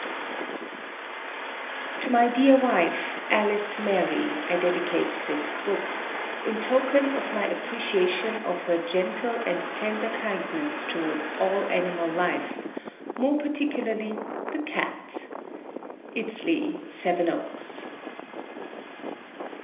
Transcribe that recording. _] TO MY DEAR WIFE, Alice Mary, I DEDICATE THIS BOOK, IN TOKEN OF MY APPRECIATION OF HER GENTLE AND TENDER KINDNESS TOWARDS ALL ANIMAL LIFE, MORE PARTICULARLY "THE CAT." "_Iddesleigh," Sevenoaks.